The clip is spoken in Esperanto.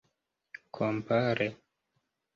kompare